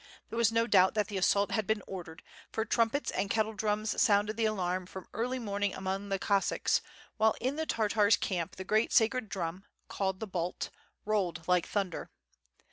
There was no doubt that the assault had been ordered, for trumpets and kettledrums sounded the alarm from early morning among the Cossacks, while in the Tartars' camp the great sacred drum, called the Bait, rolled like thunder.